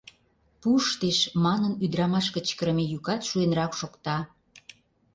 Пуштеш!» манын, ӱдырамаш кычкырыме йӱкат шуэнрак шокта.